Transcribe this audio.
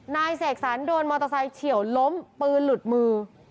เสกสรรโดนมอเตอร์ไซค์เฉียวล้มปืนหลุดมือ